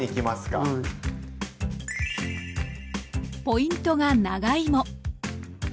ポイントが長芋。